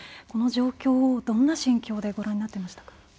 この状況をどんな心境でご覧になっていましたか。